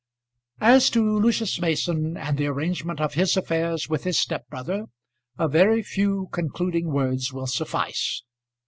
As to Lucius Mason and the arrangement of his affairs with his step brother a very few concluding words will suffice.